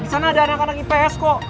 di sana ada anak anak ips kok